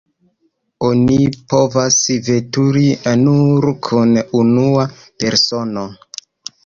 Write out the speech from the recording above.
Oni povas veturi nur kun unua persono.